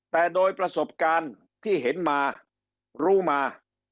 แต่โดยประสบการณ์ที่เห็นมารู้มา